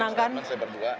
losing statement saya berdua